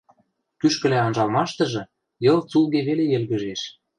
Кӱшкӹлӓ анжалмаштыжы Йыл цулге веле йӹлгӹжеш.